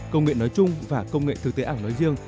công nghệ nói chung và công nghệ thực tế ảo nói riêng